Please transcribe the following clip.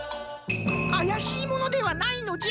あやしいものではないのじゃ！